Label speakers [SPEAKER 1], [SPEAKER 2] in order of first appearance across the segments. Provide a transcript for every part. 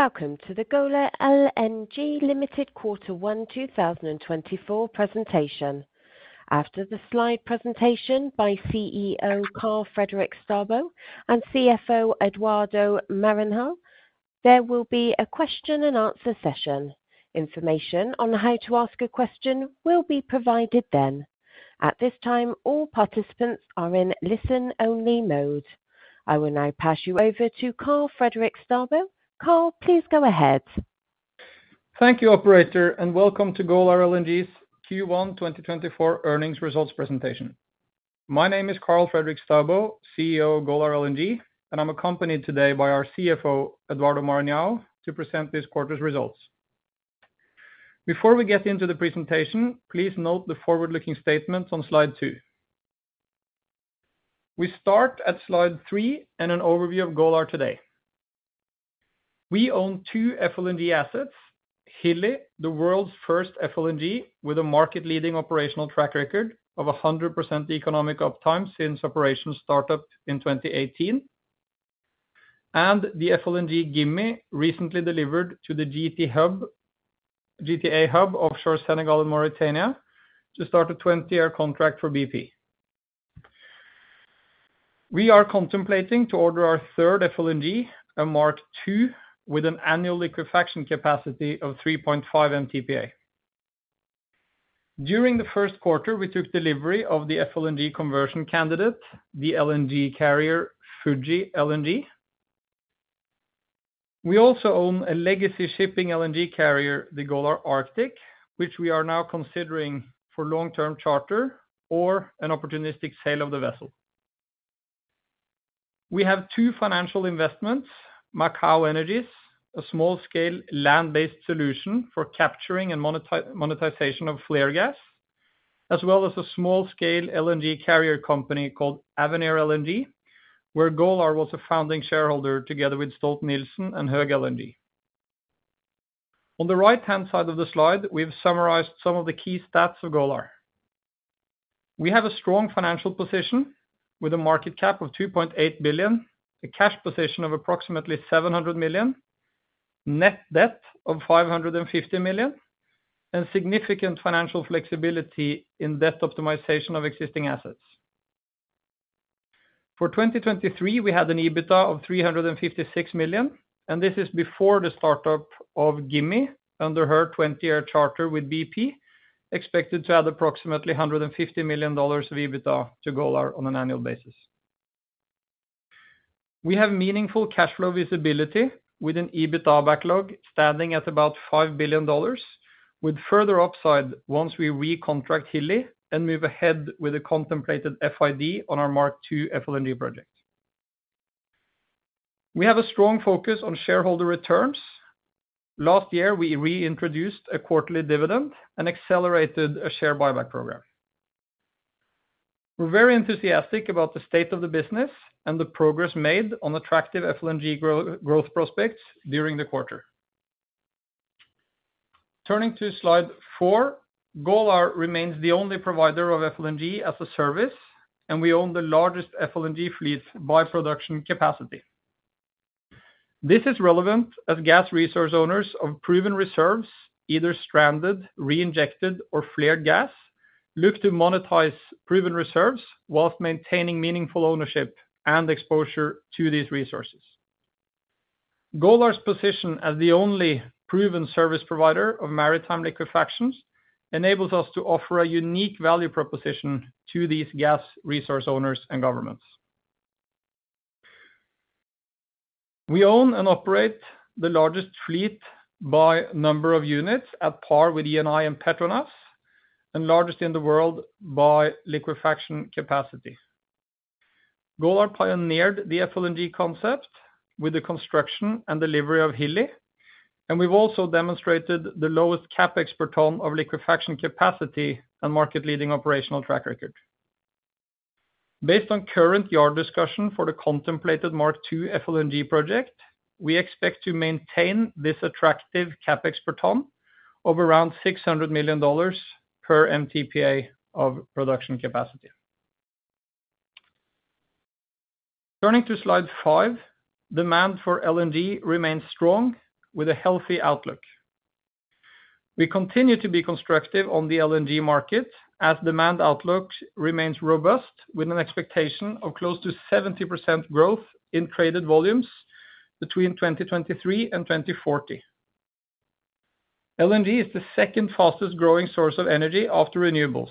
[SPEAKER 1] Welcome to the Golar LNG Limited Quarter One 2024 presentation. After the slide presentation by CEO, Karl Fredrik Staubo, and CFO, Eduardo Maranhão, there will be a Q&A session. Information on how to ask a question will be provided then. At this time, all participants are in listen-only mode. I will now pass you over to Karl Fredrik Staubo. Karl, please go ahead.
[SPEAKER 2] Thank you, operator, and welcome to Golar LNG's Q1 2024 earnings results presentation. My name is Karl Fredrik Staubo, CEO of Golar LNG, and I'm accompanied today by our CFO, Eduardo Maranhão, to present this quarter's results. Before we get into the presentation, please note the forward-looking statements on slide 2. We start at slide 3 and an overview of Golar today. We own two FLNG assets, Hilli, the world's first FLNG, with a market-leading operational track record of 100% economic uptime since operation startup in 2018, and the FLNG Gimi, recently delivered to the GTA Hub offshore Senegal and Mauritania, to start a 20-year contract for BP. We are contemplating to order our third FLNG, a Mark II, with an annual liquefaction capacity of 3.5 MTPA. During the first quarter, we took delivery of the FLNG conversion candidate, the LNG carrier, Fuji LNG. We also own a legacy shipping LNG carrier, the Golar Arctic, which we are now considering for long-term charter or an opportunistic sale of the vessel. We have two financial investments, Macaw Energies, a small-scale land-based solution for capturing and monetization of flare gas, as well as a small-scale LNG carrier company called Avenir LNG, where Golar was a founding shareholder together with Stolt-Nielsen and Hygo LNG. On the right-hand side of the slide, we've summarized some of the key stats of Golar. We have a strong financial position with a market cap of $2.8 billion, a cash position of approximately $700 million, net debt of $550 million, and significant financial flexibility in debt optimization of existing assets. For 2023, we had an EBITDA of $356 million, and this is before the startup of Gimi, under her 20-year charter with BP, expected to add approximately $150 million of EBITDA to Golar on an annual basis. We have meaningful cash flow visibility, with an EBITDA backlog standing at about $5 billion, with further upside once we recontract Hilli and move ahead with a contemplated FID on our Mark II FLNG project. We have a strong focus on shareholder returns. Last year, we reintroduced a quarterly dividend and accelerated a share buyback program. We're very enthusiastic about the state of the business and the progress made on attractive FLNG growth prospects during the quarter. Turning to slide 4, Golar remains the only provider of FLNG as a service, and we own the largest FLNG fleet by production capacity. This is relevant as gas resource owners of proven reserves, either stranded, reinjected, or flared gas, look to monetize proven reserves while maintaining meaningful ownership and exposure to these resources. Golar's position as the only proven service provider of maritime liquefactions, enables us to offer a unique value proposition to these gas resource owners and governments. We own and operate the largest fleet by number of units at par with ENI and Petronas, and largest in the world by liquefaction capacity. Golar pioneered the FLNG concept with the construction and delivery of Hilli, and we've also demonstrated the lowest CapEx per ton of liquefaction capacity and market-leading operational track record. Based on current yard discussion for the contemplated Mark II FLNG project, we expect to maintain this attractive CapEx per ton of around $600 million per MTPA of production capacity. Turning to slide 5, demand for LNG remains strong with a healthy outlook. We continue to be constructive on the LNG market as demand outlook remains robust, with an expectation of close to 70% growth in traded volumes between 2023 and 2040. LNG is the second fastest growing source of energy after renewables.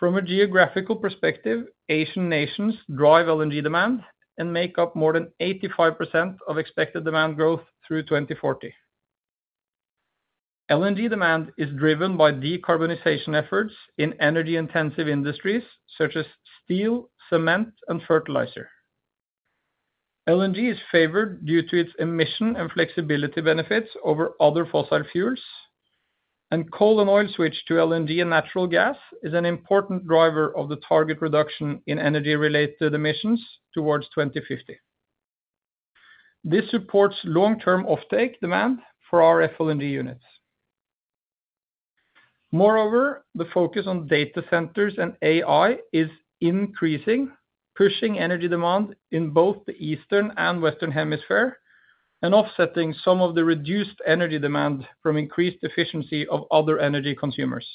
[SPEAKER 2] From a geographical perspective, Asian nations drive LNG demand and make up more than 85% of expected demand growth through 2040. LNG demand is driven by decarbonization efforts in energy-intensive industries, such as steel, cement, and fertilizer. LNG is favored due to its emission and flexibility benefits over other fossil fuels, and coal and oil switch to LNG and natural gas is an important driver of the target reduction in energy-related emissions towards 2050. This supports long-term offtake demand for our FLNG units. Moreover, the focus on data centers and AI is increasing, pushing energy demand in both the Eastern and Western Hemisphere, and offsetting some of the reduced energy demand from increased efficiency of other energy consumers.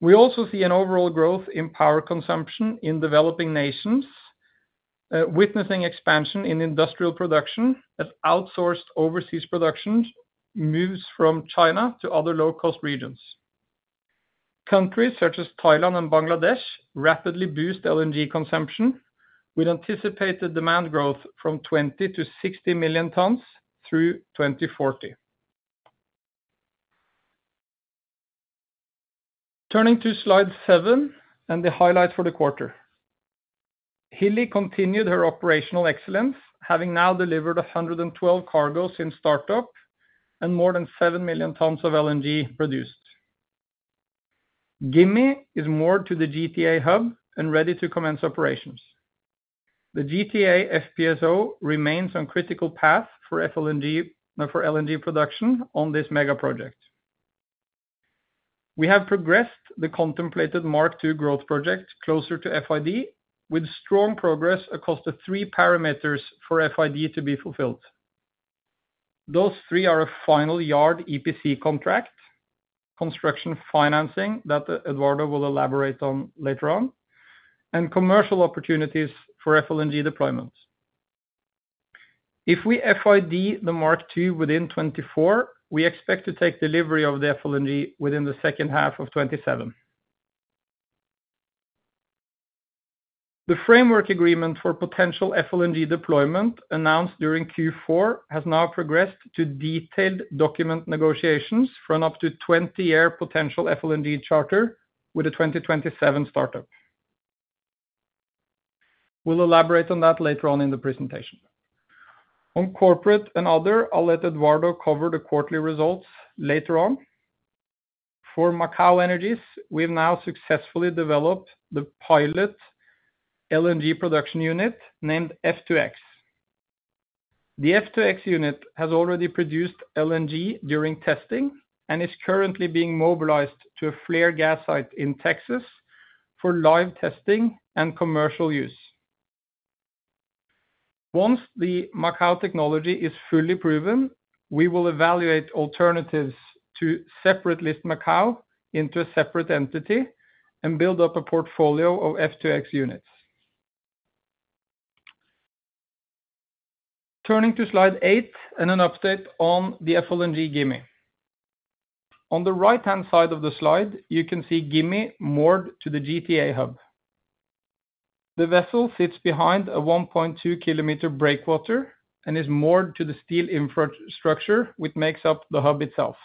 [SPEAKER 2] We also see an overall growth in power consumption in developing nations, witnessing expansion in industrial production as outsourced overseas production moves from China to other low-cost regions. Countries such as Thailand and Bangladesh rapidly boost LNG consumption, with anticipated demand growth from 20-60 million tons through 2040. Turning to slide 7 and the highlight for the quarter. Hilli continued her operational excellence, having now delivered 112 cargos since startup and more than 7 million tons of LNG produced. Gimi is moored to the GTA hub and ready to commence operations. The GTA FPSO remains on critical path for FLNG, no, for LNG production on this mega project. We have progressed the contemplated Mark II growth project closer to FID, with strong progress across the three parameters for FID to be fulfilled. Those three are a final yard EPC contract, construction financing that Eduardo will elaborate on later on, and commercial opportunities for FLNG deployments. If we FID the Mark II within 2024, we expect to take delivery of the FLNG within the second half of 2027. The framework agreement for potential FLNG deployment, announced during Q4, has now progressed to detailed document negotiations for an up to 20-year potential FLNG charter with a 2027 startup. We'll elaborate on that later on in the presentation. On corporate and other, I'll let Eduardo cover the quarterly results later on. For Macaw Energies, we've now successfully developed the pilot LNG production unit named F2X. The F2X unit has already produced LNG during testing and is currently being mobilized to a flare gas site in Texas for live testing and commercial use. Once the Macaw technology is fully proven, we will evaluate alternatives to separately list Macaw into a separate entity and build up a portfolio of F2X units. Turning to slide 8 and an update on the FLNG Gimi. On the right-hand side of the slide, you can see Gimi moored to the GTA hub. The vessel sits behind a 1.2 kilometer breakwater and is moored to the steel infrastructure, which makes up the hub itself.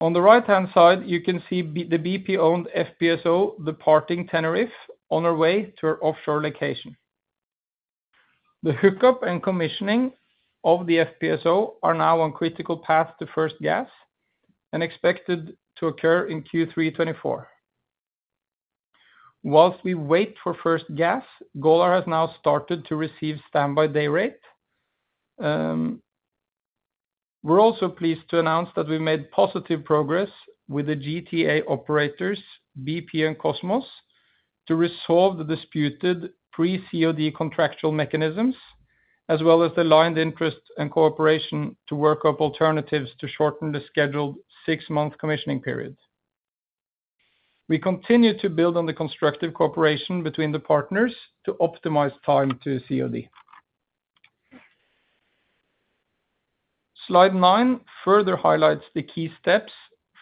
[SPEAKER 2] On the right-hand side, you can see the BP-owned FPSO, departing Tenerife on her way to her offshore location. The hookup and commissioning of the FPSO are now on critical path to first gas and expected to occur in Q3 2024. While we wait for first gas, Golar has now started to receive standby day rate. We're also pleased to announce that we made positive progress with the GTA operators, BP and Kosmos, to resolve the disputed pre-COD contractual mechanisms, as well as aligned interest and cooperation to work up alternatives to shorten the scheduled 6-month commissioning period. We continue to build on the constructive cooperation between the partners to optimize time to COD. Slide 9 further highlights the key steps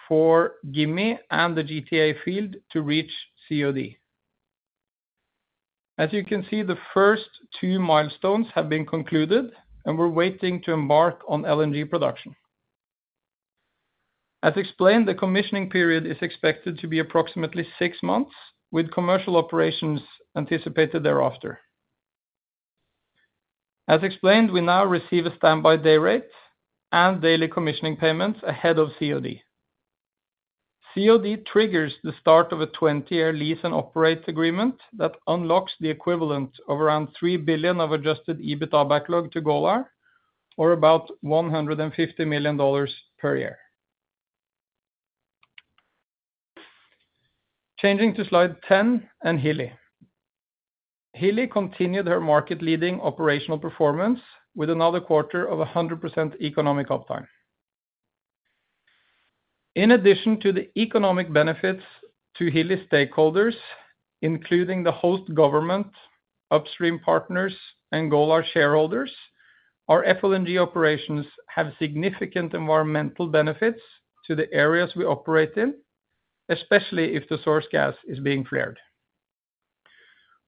[SPEAKER 2] for Gimi and the GTA field to reach COD. As you can see, the first two milestones have been concluded, and we're waiting to embark on LNG production. As explained, the commissioning period is expected to be approximately 6 months, with commercial operations anticipated thereafter. As explained, we now receive a standby day rate and daily commissioning payments ahead of COD. COD triggers the start of a 20-year lease and operates agreement that unlocks the equivalent of around $3 billion of adjusted EBITDA backlog to Golar, or about $150 million per year. Changing to slide 10 and Hilli. Hilli continued her market-leading operational performance with another quarter of 100% economic uptime. In addition to the economic benefits to Hilli stakeholders, including the host government, upstream partners, and Golar shareholders, our FLNG operations have significant environmental benefits to the areas we operate in, especially if the source gas is being flared.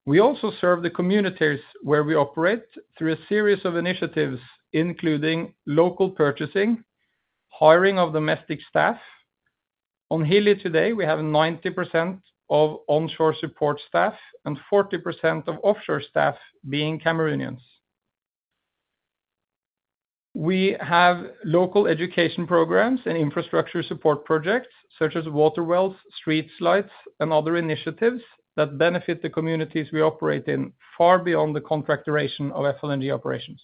[SPEAKER 2] We also serve the communities where we operate through a series of initiatives, including local purchasing, hiring of domestic staff. On Hilli today, we have 90% of onshore support staff and 40% of offshore staff being Cameroonians. We have local education programs and infrastructure support projects, such as water wells, street lights, and other initiatives that benefit the communities we operate in, far beyond the contract duration of FLNG operations.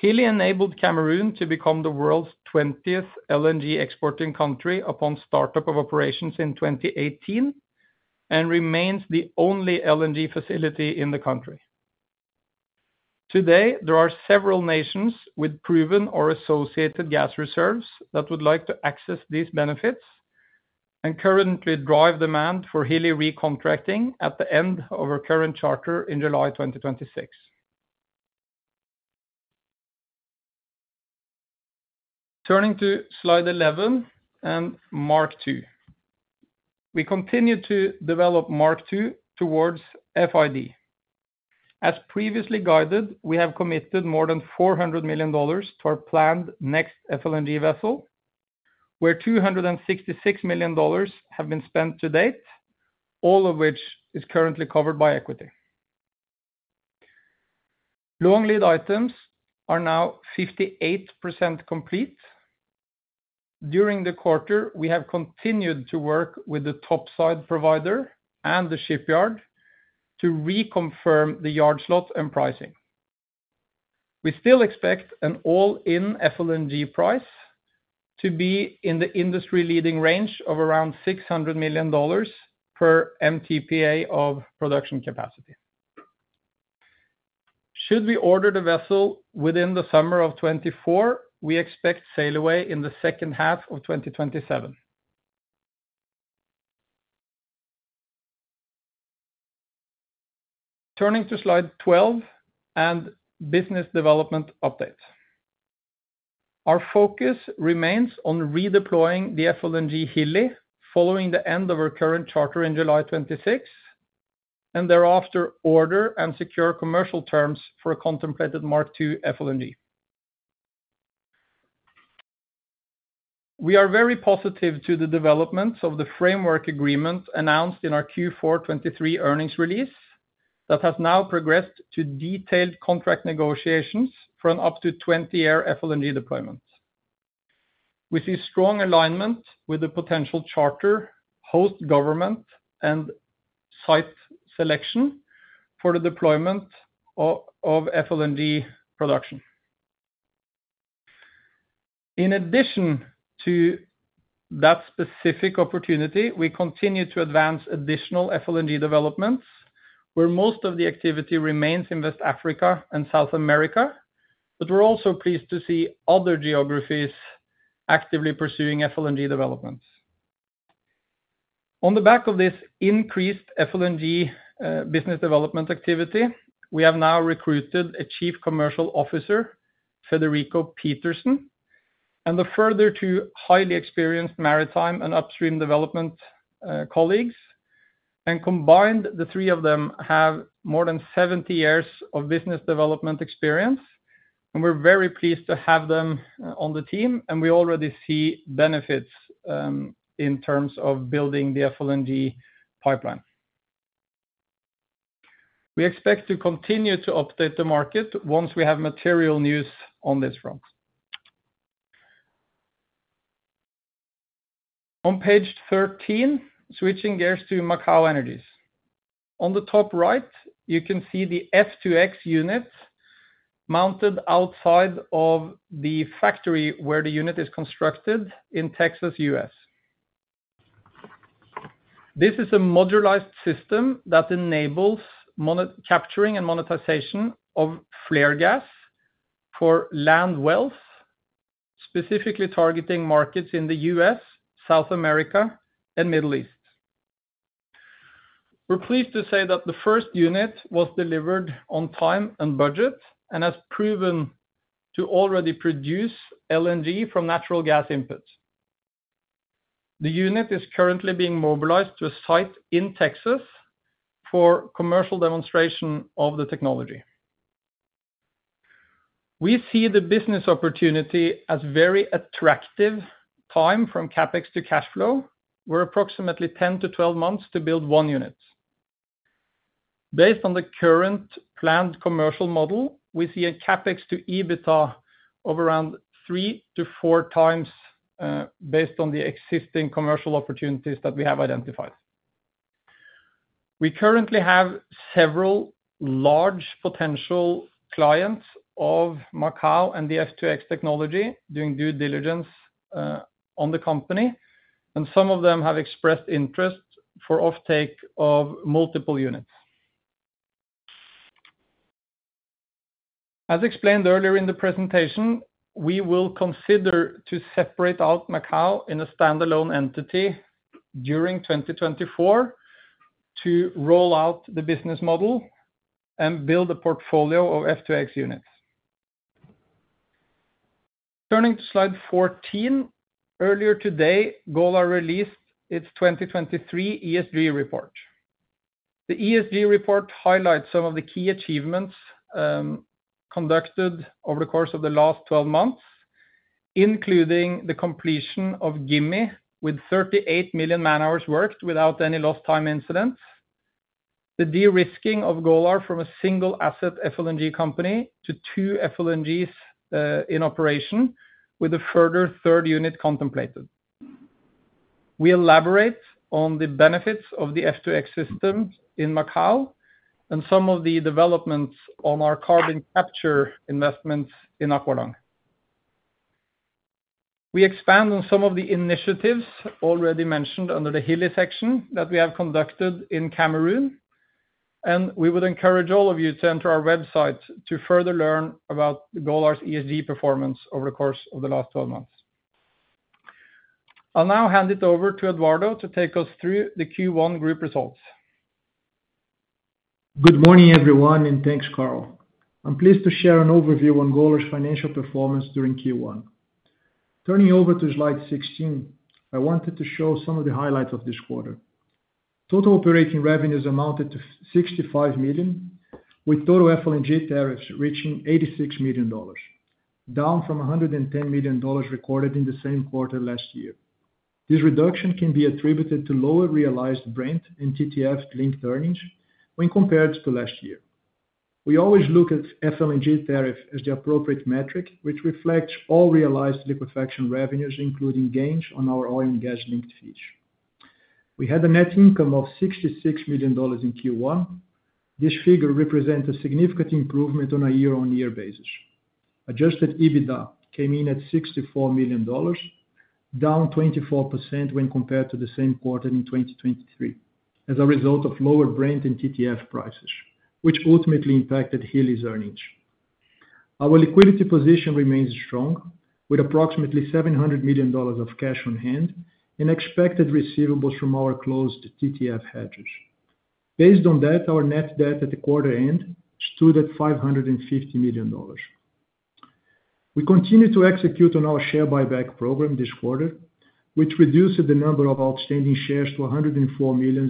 [SPEAKER 2] Hilli enabled Cameroon to become the world's 20th LNG exporting country upon startup of operations in 2018, and remains the only LNG facility in the country. Today, there are several nations with proven or associated gas reserves that would like to access these benefits, and currently drive demand for Hilli recontracting at the end of our current charter in July 2026. Turning to slide 11 and Mark II. We continue to develop Mark II towards FID. As previously guided, we have committed more than $400 million to our planned next FLNG vessel, where $266 million have been spent to date, all of which is currently covered by equity. Long lead items are now 58% complete. During the quarter, we have continued to work with the top side provider and the shipyard to reconfirm the yard slot and pricing. We still expect an all-in FLNG price to be in the industry leading range of around $600 million per MTPA of production capacity. Should we order the vessel within the summer of 2024, we expect sail away in the second half of 2027. Turning to slide 12 and business development update. Our focus remains on redeploying the FLNG Hilli, following the end of our current charter in July 2026, and thereafter order and secure commercial terms for a contemplated Mark II FLNG. We are very positive to the development of the framework agreement announced in our Q4 2023 earnings release, that has now progressed to detailed contract negotiations for an up to 20-year FLNG deployment. We see strong alignment with the potential charter, host government, and site selection for the deployment of FLNG production. In addition to that specific opportunity, we continue to advance additional FLNG developments, where most of the activity remains in West Africa and South America, but we're also pleased to see other geographies actively pursuing FLNG developments. On the back of this increased FLNG business development activity, we have now recruited a Chief Commercial Officer, Federico Petersen, and the further two highly experienced maritime and upstream development colleagues. Combined, the three of them have more than 70 years of business development experience, and we're very pleased to have them on the team, and we already see benefits in terms of building the FLNG pipeline. We expect to continue to update the market once we have material news on this front. On page 13, switching gears to Macaw Energies. On the top right, you can see the F2X unit mounted outside of the factory where the unit is constructed in Texas, U.S. This is a modularized system that enables capturing and monetization of flare gas for land wells, specifically targeting markets in the U.S., South America, and Middle East. We're pleased to say that the first unit was delivered on time and budget, and has proven to already produce LNG from natural gas inputs. The unit is currently being mobilized to a site in Texas for commercial demonstration of the technology. We see the business opportunity as very attractive timeline from CapEx to cash flow. We're approximately 10-12 months to build one unit. Based on the current planned commercial model, we see a CapEx to EBITDA of around 3x-4x, based on the existing commercial opportunities that we have identified. We currently have several large potential clients of Macaw and the F2X technology doing due diligence, on the company, and some of them have expressed interest for offtake of multiple units. As explained earlier in the presentation, we will consider to separate out Macaw in a standalone entity during 2024, to roll out the business model and build a portfolio of F2X units. Turning to slide 14. Earlier today, Golar released its 2023 ESG report. The ESG report highlights some of the key achievements, conducted over the course of the last 12 months, including the completion of Gimi, with 38 million man-hours worked without any lost time incidents. The de-risking of Golar from a single asset FLNG company to two FLNGs in operation, with a further third unit contemplated. We elaborate on the benefits of the F2X system in Macaw, and some of the developments on our carbon capture investments in Aqualung. We expand on some of the initiatives already mentioned under the Hilli section that we have conducted in Cameroon, and we would encourage all of you to enter our website to further learn about Golar's ESG performance over the course of the last 12 months. I'll now hand it over to Eduardo to take us through the Q1 group results.
[SPEAKER 3] Good morning, everyone, and thanks, Karl. I'm pleased to share an overview on Golar's financial performance during Q1. Turning over to slide 16, I wanted to show some of the highlights of this quarter. Total operating revenues amounted to $65 million, with total FLNG tariffs reaching $86 million, down from $110 million recorded in the same quarter last year. This reduction can be attributed to lower realized Brent and TTF linked earnings when compared to last year. We always look at FLNG tariff as the appropriate metric, which reflects all realized liquefaction revenues, including gains on our oil and gas-linked fees. We had a net income of $66 million in Q1. This figure represents a significant improvement on a year-on-year basis. Adjusted EBITDA came in at $64 million, down 24% when compared to the same quarter in 2023, as a result of lower Brent and TTF prices, which ultimately impacted Hilli's earnings. Our liquidity position remains strong, with approximately $700 million of cash on hand and expected receivables from our closed TTF hedges. Based on that, our net debt at the quarter end stood at $550 million. We continue to execute on our share buyback program this quarter, which reduced the number of outstanding shares to 104 million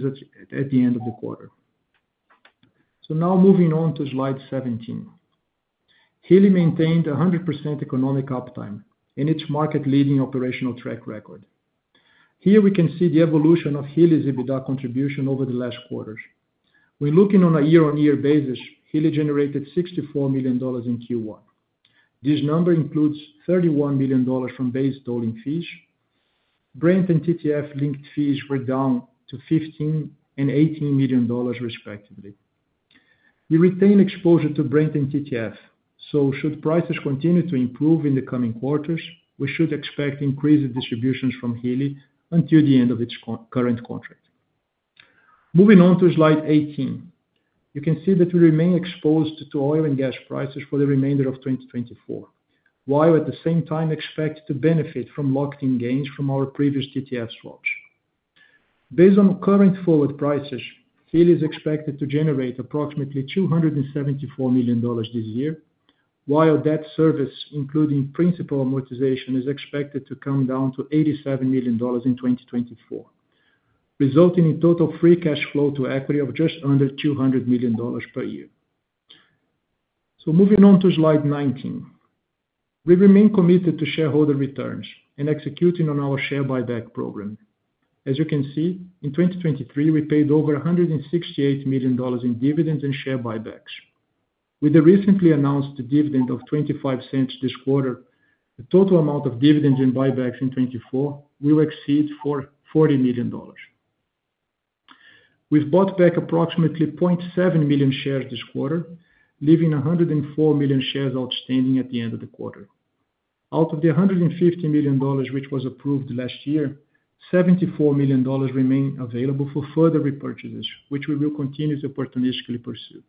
[SPEAKER 3] at the end of the quarter. So now moving on to slide 17. Hilli maintained 100% economic uptime in its market-leading operational track record. Here, we can see the evolution of Hilli's EBITDA contribution over the last quarters. When looking on a year-on-year basis, Hilli generated $64 million in Q1. This number includes $31 million from base tolling fees. Brent and TTF-linked fees were down to $15 million and $18 million, respectively. We retain exposure to Brent and TTF, so should prices continue to improve in the coming quarters, we should expect increased distributions from Hilli until the end of its current contract. Moving on to slide 18. You can see that we remain exposed to oil and gas prices for the remainder of 2024, while at the same time expect to benefit from locked-in gains from our previous TTF swaps. Based on current forward prices, Hilli is expected to generate approximately $274 million this year, while debt service, including principal amortization, is expected to come down to $87 million in 2024, resulting in total free cash flow to equity of just under $200 million per year. Moving on to slide 19. We remain committed to shareholder returns and executing on our share buyback program. As you can see, in 2023, we paid over $168 million in dividends and share buybacks. With the recently announced dividend of $0.25 this quarter, the total amount of dividends and buybacks in 2024 will exceed over $40 million. We've bought back approximately 0.7 million shares this quarter, leaving 104 million shares outstanding at the end of the quarter. Out of the $150 million, which was approved last year, $74 million remain available for further repurchases, which we will continue to opportunistically pursue.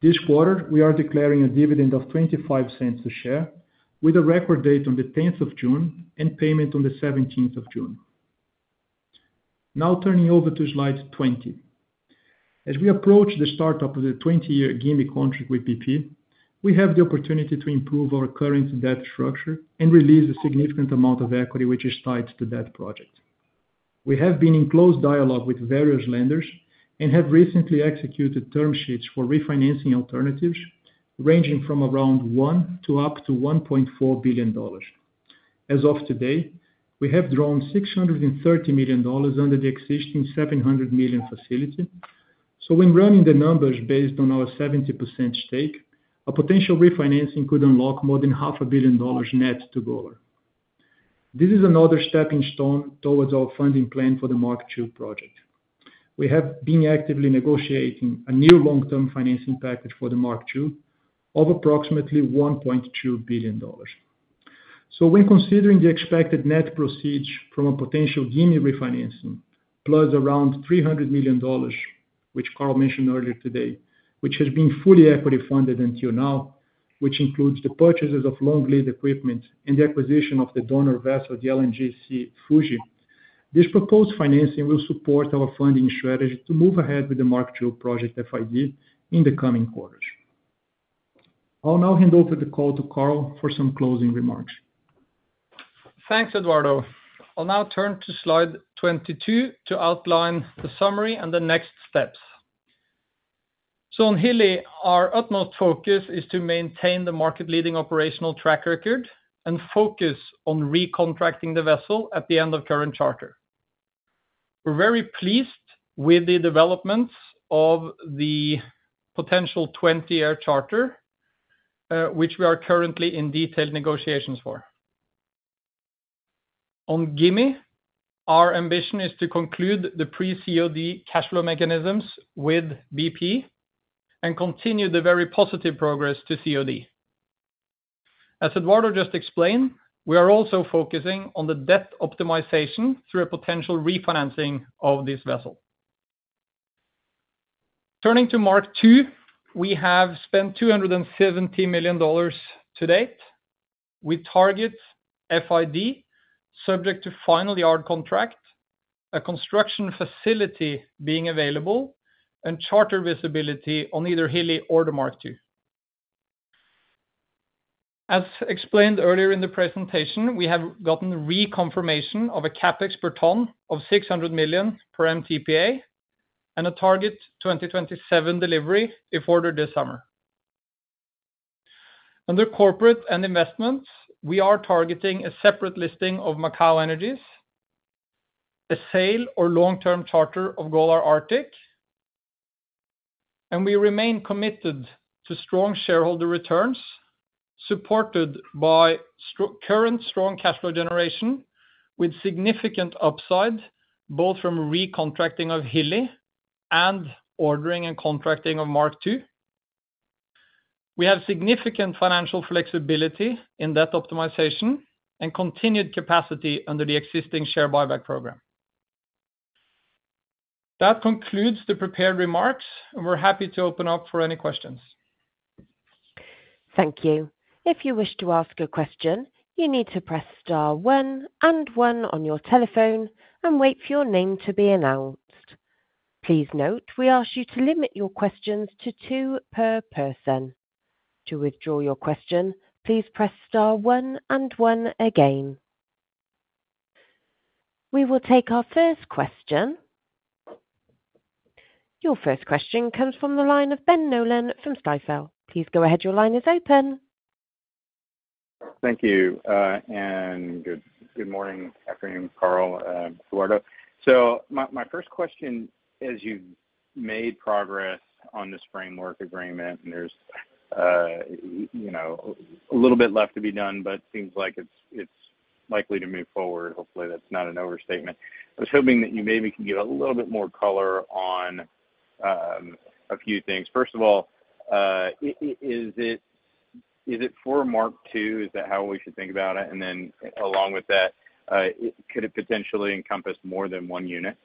[SPEAKER 3] This quarter, we are declaring a dividend of $0.25 a share, with a record date on the June 10th and payment on the June 17th. Now turning over to slide 20. As we approach the start of the 20-year Gimi contract with BP, we have the opportunity to improve our current debt structure and release a significant amount of equity, which is tied to that project. We have been in close dialogue with various lenders and have recently executed term sheets for refinancing alternatives ranging from around $1 billion to up to $1.4 billion. As of today, we have drawn $630 million under the existing $700 million facility. When running the numbers based on our 70% stake, a potential refinancing could unlock more than $500 million net to Golar. This is another stepping stone towards our funding plan for the Mark II project. We have been actively negotiating a new long-term financing package for the Mark II of approximately $1.2 billion. When considering the expected net proceeds from a potential Gimi refinancing, plus around $300 million, which Karl mentioned earlier today, which has been fully equity-funded until now, which includes the purchases of long-lead equipment and the acquisition of the donor vessel, the LNGC Fuji, this proposed financing will support our funding strategy to move ahead with the Mark II project FID in the coming quarters. I'll now hand over the call to Karl for some closing remarks.
[SPEAKER 2] Thanks, Eduardo. I'll now turn to slide 22 to outline the summary and the next steps. So on Hilli, our utmost focus is to maintain the market-leading operational track record and focus on recontracting the vessel at the end of current charter. We're very pleased with the developments of the potential 20-year charter, which we are currently in detailed negotiations for. On Gimi, our ambition is to conclude the pre-COD cash flow mechanisms with BP and continue the very positive progress to COD. As Eduardo just explained, we are also focusing on the debt optimization through a potential refinancing of this vessel. Turning to Mark II, we have spent $270 million to date. We target FID, subject to final yard contract, a construction facility being available, and charter visibility on either Hilli or the Mark II. As explained earlier in the presentation, we have gotten reconfirmation of a CapEx per ton of $600 million per MTPA and a target 2027 delivery if ordered this summer. Under corporate and investments, we are targeting a separate listing of Macaw Energies, a sale or long-term charter of Golar Arctic, and we remain committed to strong shareholder returns, supported by current strong cash flow generation with significant upside, both from recontracting of Hilli and ordering and contracting of Mark II. We have significant financial flexibility in debt optimization and continued capacity under the existing share buyback program. That concludes the prepared remarks, and we're happy to open up for any questions.
[SPEAKER 1] Thank you. If you wish to ask a question, you need to press star one and one on your telephone and wait for your name to be announced. Please note, we ask you to limit your questions to two per person. To withdraw your question, please press star one and one again. We will take our first question. Your first question comes from the line of Ben Nolan from Stifel. Please go ahead. Your line is open.
[SPEAKER 4] Thank you, and good morning, afternoon, Karl, Eduardo. So my first question, as you've made progress on this Framework Agreement, and there's, you know, a little bit left to be done, but seems like it's likely to move forward. Hopefully, that's not an overstatement. I was hoping that you maybe could give a little bit more color on a few things. First of all, is it for Mark II? Is that how we should think about it? And then along with that, could it potentially encompass more than one unit?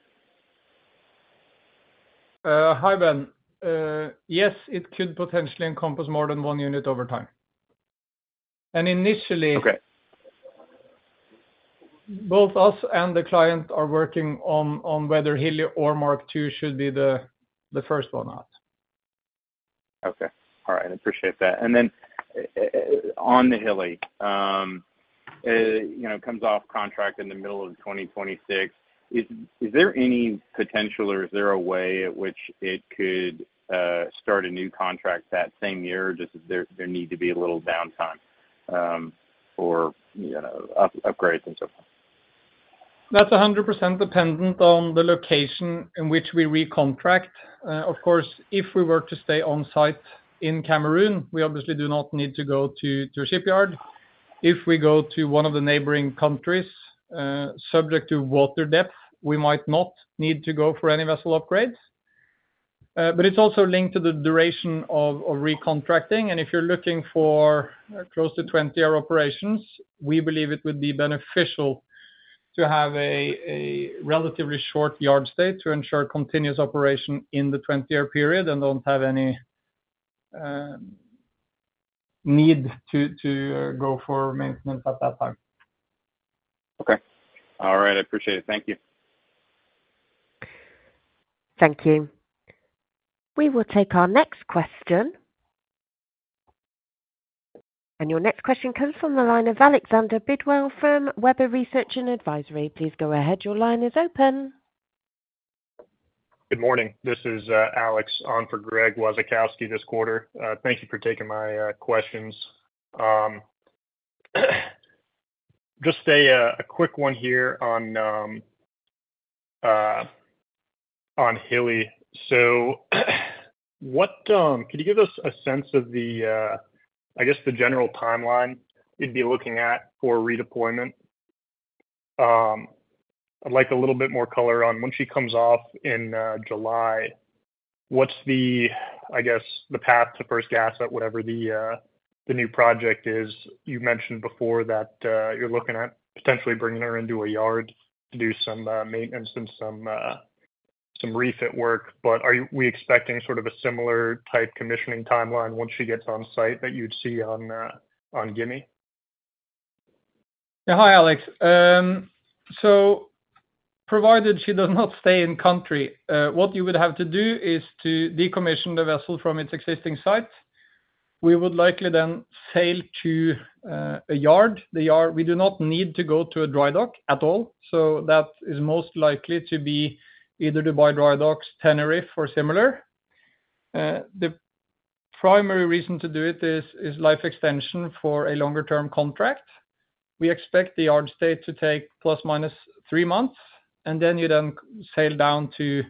[SPEAKER 2] Hi, Ben. Yes, it could potentially encompass more than one unit over time. And initially-
[SPEAKER 5] Okay
[SPEAKER 2] Both us and the client are working on whether Hilli or Mark II should be the first one out.
[SPEAKER 4] Okay. All right, I appreciate that. And then, on the Hilli, you know, comes off contract in the middle of 2026. Is there any potential or is there a way at which it could start a new contract that same year, or just there need to be a little downtime for, you know, upgrades and so forth?
[SPEAKER 2] That's 100% dependent on the location in which we recontract. Of course, if we were to stay on site in Cameroon, we obviously do not need to go to a shipyard. If we go to one of the neighboring countries, subject to water depth, we might not need to go for any vessel upgrades. But it's also linked to the duration of recontracting, and if you're looking for close to 20-year operations, we believe it would be beneficial to have a relatively short yard stay to ensure continuous operation in the 20-year period and don't have any need to go for maintenance at that time.
[SPEAKER 4] Okay. All right, I appreciate it. Thank you.
[SPEAKER 1] Thank you. We will take our next question. Your next question comes from the line of Alexander Bidwell from Webber Research & Advisory. Please go ahead. Your line is open.
[SPEAKER 6] Good morning. This is Alex, on for Greg Wasikowski this quarter. Thank you for taking my questions. Just a quick one here on Hilli. So what could you give us a sense of the, I guess, the general timeline you'd be looking at for redeployment? I'd like a little bit more color on when she comes off in July, what's the, I guess, the path to first gas at whatever the new project is? You mentioned before that you're looking at potentially bringing her into a yard to do some maintenance and some refit work, but are we expecting sort of a similar type commissioning timeline once she gets on site that you'd see on Gimi?
[SPEAKER 2] Yeah. Hi, Alex. So provided she does not stay in country, what you would have to do is to decommission the vessel from its existing site. We would likely then sail to a yard. The yard - we do not need to go to a dry dock at all, so that is most likely to be either Dubai Drydocks, Tenerife, or similar. The primary reason to do it is life extension for a longer-term contract. We expect the yard stay to take ±3 months, and then you sail down to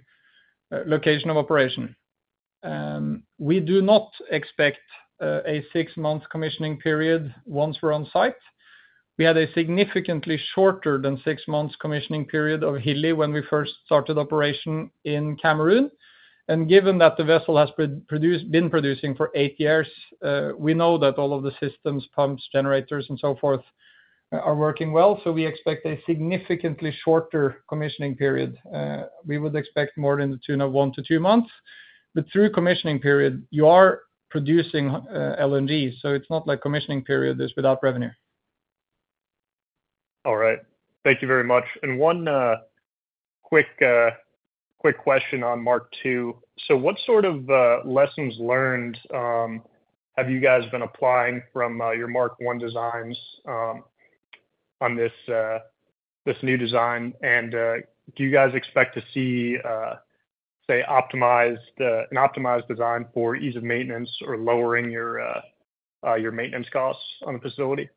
[SPEAKER 2] location of operation. We do not expect a 6-month commissioning period once we're on site. We had a significantly shorter than 6 months commissioning period of Hilli when we first started operation in Cameroon. Given that the vessel has been producing for 8 years, we know that all of the systems, pumps, generators, and so forth, are working well, so we expect a significantly shorter commissioning period. We would expect more in the tune of one to two months. But through commissioning period, you are producing LNG, so it's not like commissioning period is without revenue.
[SPEAKER 6] All right. Thank you very much. One quick question on Mark II. So what sort of lessons learned have you guys been applying from your Mark I designs on this new design? And do you guys expect to see, say, an optimized design for ease of maintenance or lowering your maintenance costs on the facility?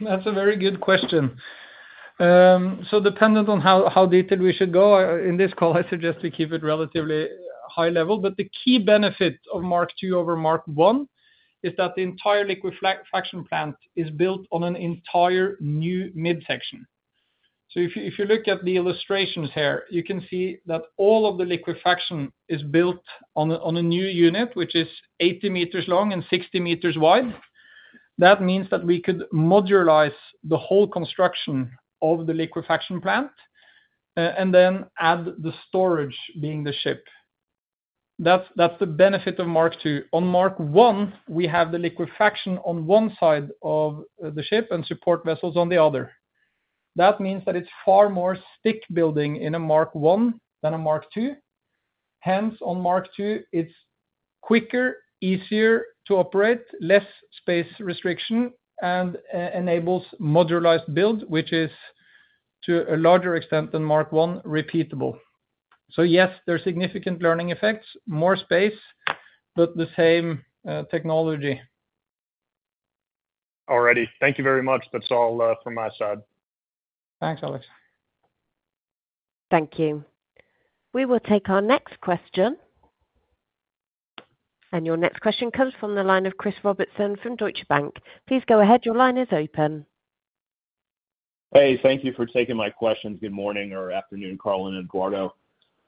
[SPEAKER 2] That's a very good question. So dependent on how detailed we should go in this call, I suggest we keep it relatively high level. But the key benefit of Mark II over Mark I is that the entire liquefaction plant is built on an entire new midsection. So if you look at the illustrations here, you can see that all of the liquefaction is built on a new unit, which is 80 meters long and 60 meters wide. That means that we could modularize the whole construction of the liquefaction plant and then add the storage being the ship. That's the benefit of Mark II. On Mark I, we have the liquefaction on one side of the ship and support vessels on the other. That means that it's far more stick-building in a Mark I than a Mark II. Hence, on Mark II, it's quicker, easier to operate, less space restriction, and enables modularized build, which is, to a larger extent than Mark I, repeatable. So yes, there are significant learning effects, more space, but the same technology.
[SPEAKER 6] All righty. Thank you very much. That's all from my side.
[SPEAKER 2] Thanks, Alex.
[SPEAKER 1] Thank you. We will take our next question. Your next question comes from the line of Chris Robertson from Deutsche Bank. Please go ahead. Your line is open.
[SPEAKER 7] Hey, thank you for taking my questions. Good morning or afternoon, Karl and Eduardo.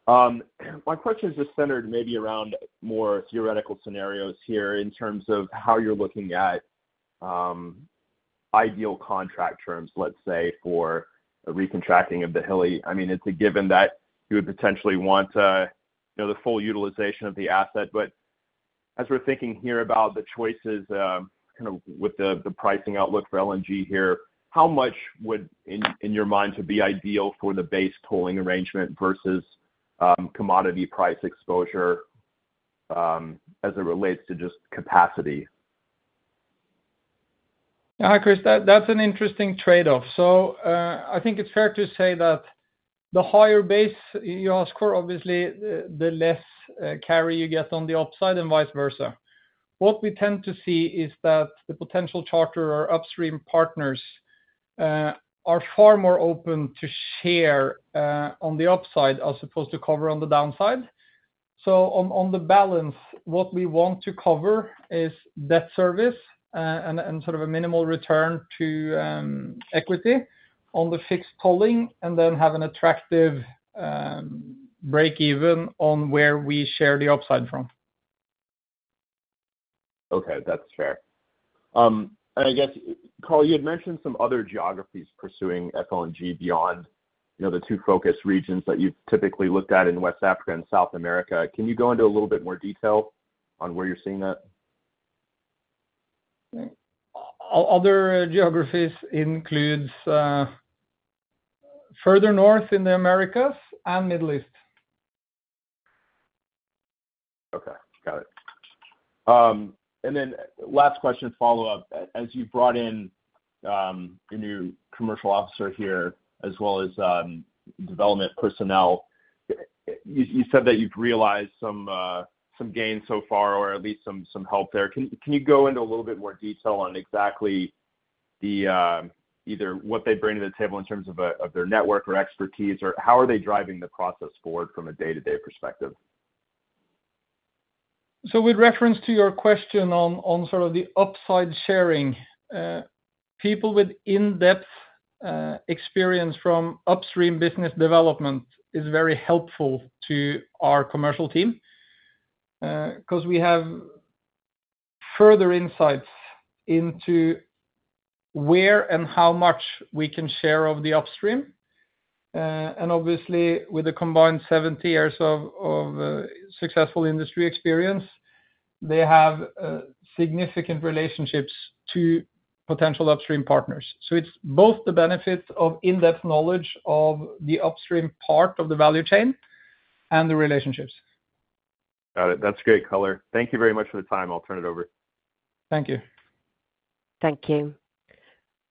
[SPEAKER 7] My question is just centered maybe around more theoretical scenarios here, in terms of how you're looking at ideal contract terms, let's say, for a recontracting of the Hilli. I mean, it's a given that you would potentially want, you know, the full utilization of the asset. But as we're thinking here about the choices, kind of with the pricing outlook for LNG here, how much would, in your mind, be ideal for the base tolling arrangement versus commodity price exposure, as it relates to just capacity?
[SPEAKER 2] Hi, Chris, that's an interesting trade-off. So, I think it's fair to say that the higher base you ask for, obviously, the less carry you get on the upside, and vice versa. What we tend to see is that the potential charter or upstream partners are far more open to share on the upside, as opposed to cover on the downside. So on the balance, what we want to cover is debt service and sort of a minimal return to equity on the fixed tolling, and then have an attractive breakeven on where we share the upside from.
[SPEAKER 7] Okay, that's fair. And I guess, Karl, you had mentioned some other geographies pursuing FLNG beyond, you know, the two focus regions that you've typically looked at in West Africa and South America. Can you go into a little bit more detail on where you're seeing that?
[SPEAKER 2] Other geographies includes further north in the Americas and Middle East.
[SPEAKER 7] Okay, got it. And then last question, follow-up. As you've brought in a new commercial officer here, as well as development personnel, you said that you've realized some gains so far, or at least some help there. Can you go into a little bit more detail on exactly either what they bring to the table in terms of their network or expertise, or how are they driving the process forward from a day-to-day perspective?
[SPEAKER 2] So with reference to your question on sort of the upside sharing, people with in-depth experience from upstream business development is very helpful to our commercial team, 'cause we have further insights into where and how much we can share of the upstream. And obviously, with a combined 70 years of successful industry experience, they have significant relationships to potential upstream partners. So it's both the benefit of in-depth knowledge of the upstream part of the value chain and the relationships.
[SPEAKER 7] Got it. That's great color. Thank you very much for the time. I'll turn it over.
[SPEAKER 2] Thank you.
[SPEAKER 1] Thank you.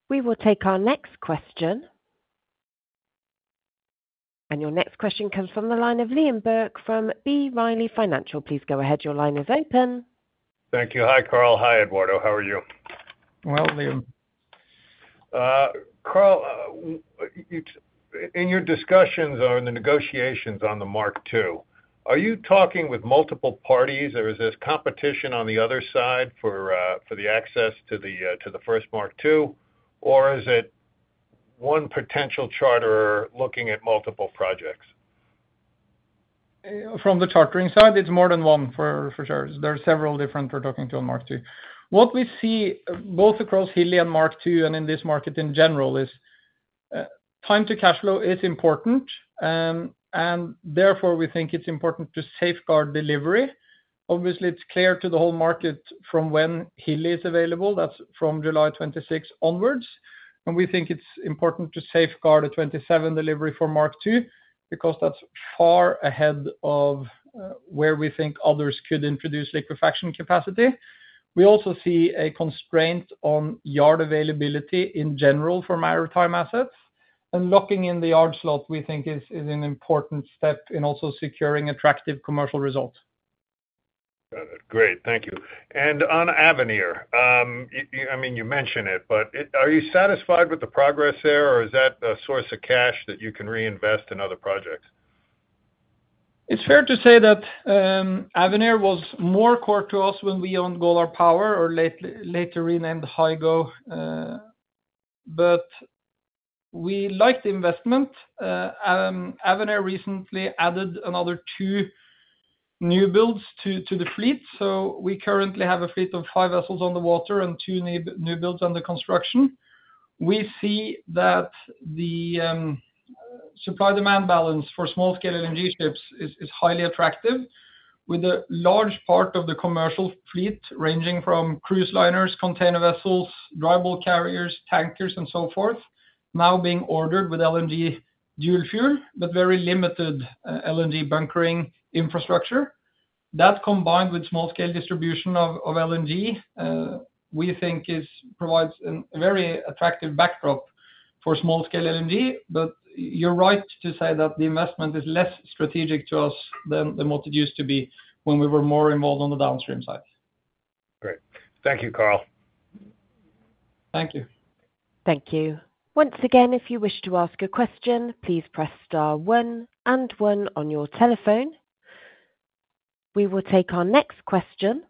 [SPEAKER 1] We will take our next question. Your next question comes from the line of Liam Burke from B. Riley Financial. Please go ahead. Your line is open.
[SPEAKER 8] Thank you. Hi, Karl. Hi, Eduardo. How are you?
[SPEAKER 2] Well, Liam.
[SPEAKER 8] Karl, in your discussions or in the negotiations on the Mark II, are you talking with multiple parties, or is this competition on the other side for the access to the first Mark II? Or is it one potential charterer looking at multiple projects?
[SPEAKER 2] From the chartering side, it's more than one for sure. There are several different we're talking to on Mark II. What we see, both across Hilli and Mark II and in this market in general, is time to cash flow is important. And therefore, we think it's important to safeguard delivery. Obviously, it's clear to the whole market from when Hilli is available, that's from July 2026 onwards. And we think it's important to safeguard a 2027 delivery for Mark II, because that's far ahead of where we think others could introduce liquefaction capacity. We also see a constraint on yard availability in general for maritime assets, and locking in the yard slot, we think is an important step in also securing attractive commercial results.
[SPEAKER 8] Got it. Great, thank you. And on Avenir, I mean, you mentioned it, but it... Are you satisfied with the progress there, or is that a source of cash that you can reinvest in other projects?
[SPEAKER 2] It's fair to say that Avenir was more core to us when we owned Golar Power or later renamed Höegh, but we like the investment. Avenir recently added another 2 new builds to the fleet, so we currently have a fleet of 5 vessels on the water and 2 new builds under construction. We see that the supply-demand balance for small-scale LNG ships is highly attractive, with a large part of the commercial fleet ranging from cruise liners, container vessels, dry bulk carriers, tankers, and so forth, now being ordered with LNG dual fuel, but very limited LNG bunkering infrastructure. That, combined with small-scale distribution of LNG, we think is provides a very attractive backdrop for small-scale LNG. You're right to say that the investment is less strategic to us than what it used to be when we were more involved on the downstream side.
[SPEAKER 8] Great. Thank you, Karl.
[SPEAKER 2] Thank you.
[SPEAKER 1] Thank you. Once again, if you wish to ask a question, please press star one and one on your telephone. We will take our next question.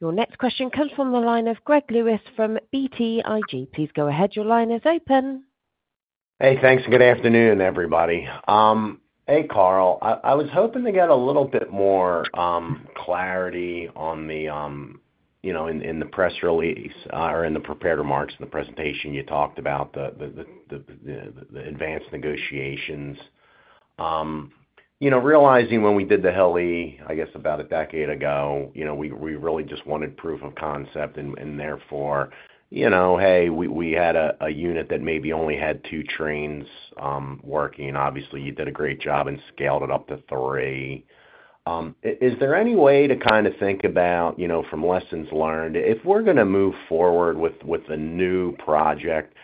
[SPEAKER 1] Your next question comes from the line of Greg Lewis from BTIG. Please go ahead, your line is open.
[SPEAKER 9] Hey, thanks, and good afternoon, everybody. Hey, Karl, I was hoping to get a little bit more clarity on the, you know, in the press release or in the prepared remarks in the presentation, you talked about the advanced negotiations. You know, realizing when we did the Hilli, I guess about a decade ago, you know, we really just wanted proof of concept, and therefore, you know, hey, we had a unit that maybe only had two trains working. Obviously, you did a great job and scaled it up to three. Is there any way to kinda think about, you know, from lessons learned, if we're gonna move forward with a new project,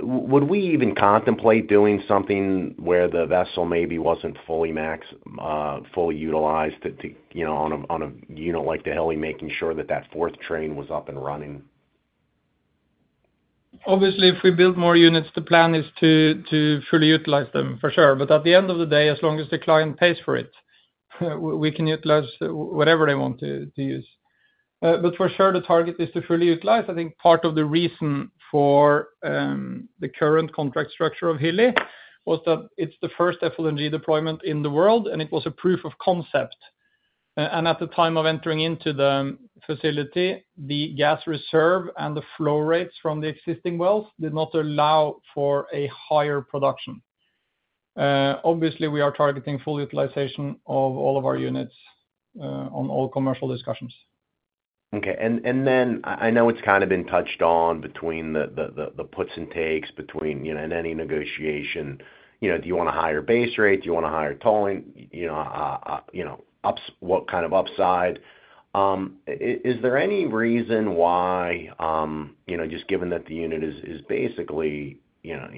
[SPEAKER 9] would we even contemplate doing something where the vessel maybe wasn't fully max, fully utilized to, you know, on a unit like the Hilli, making sure that that fourth train was up and running?
[SPEAKER 2] Obviously, if we build more units, the plan is to fully utilize them, for sure. But at the end of the day, as long as the client pays for it, we can utilize whatever they want to use. But for sure, the target is to fully utilize. I think part of the reason for the current contract structure of Hilli was that it's the first FLNG deployment in the world, and it was a proof of concept. And at the time of entering into the facility, the gas reserve and the flow rates from the existing wells did not allow for a higher production. Obviously, we are targeting full utilization of all of our units on all commercial discussions.
[SPEAKER 9] Okay. Then I know it's kind of been touched on between the puts and takes between, you know, in any negotiation, you know, do you want a higher base rate? Do you want a higher tolling? You know, what kind of upside? Is there any reason why, you know, just given that the unit is basically, you know,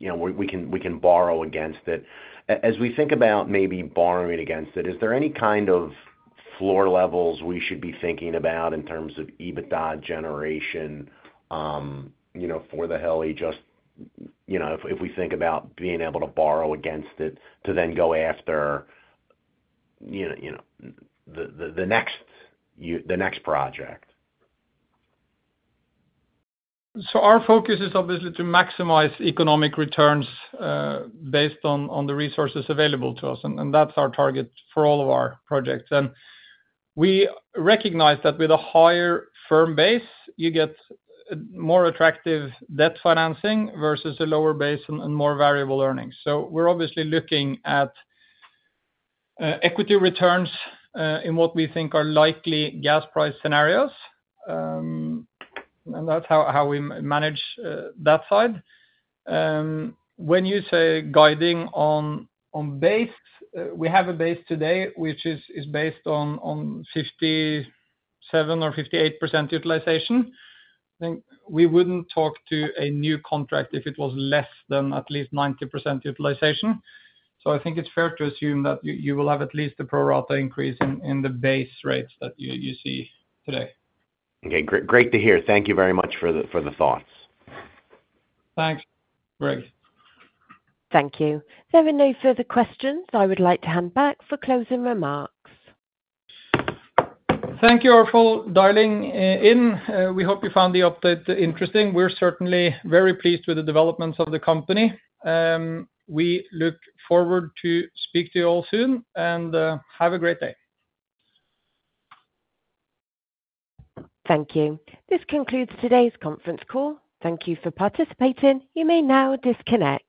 [SPEAKER 9] we can borrow against it. As we think about maybe borrowing against it, is there any kind of floor levels we should be thinking about in terms of EBITDA generation, you know, for the Hilli, just, you know, if we think about being able to borrow against it, to then go after, you know, the next project?
[SPEAKER 2] So our focus is obviously to maximize economic returns, based on the resources available to us, and that's our target for all of our projects. We recognize that with a higher firm base, you get a more attractive debt financing versus a lower base and more variable earnings. So we're obviously looking at equity returns in what we think are likely gas price scenarios. And that's how we manage that side. When you say guiding on base, we have a base today, which is based on 57%-58% utilization. I think we wouldn't talk to a new contract if it was less than at least 90% utilization. So I think it's fair to assume that you will have at least a pro rata increase in the base rates that you see today.
[SPEAKER 9] Okay, great to hear. Thank you very much for the thoughts.
[SPEAKER 2] Thanks, Greg.
[SPEAKER 1] Thank you. There are no further questions. I would like to hand back for closing remarks.
[SPEAKER 2] Thank you all for dialing in. We hope you found the update interesting. We're certainly very pleased with the developments of the company. We look forward to speak to you all soon, and have a great day.
[SPEAKER 1] Thank you. This concludes today's conference call. Thank you for participating. You may now disconnect.